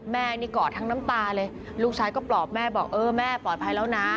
แม่นี่กอดทั้งน้ำตาเลยลูกชายก็ปลอบแม่บอกเออแม่ปลอดภัยแล้วนะ